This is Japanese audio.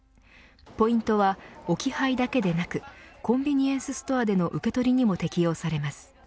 ポイントは置き配だけでなくコンビニエンスストアでの受け取りにも適用されます。